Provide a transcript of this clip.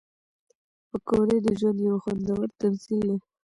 پکورې د ژوند یو خوندور تمثیل دی